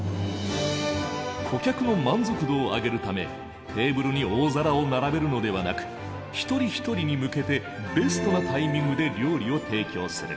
顧客の満足度を上げるためテーブルに大皿を並べるのではなく一人一人に向けてベストなタイミングで料理を提供する。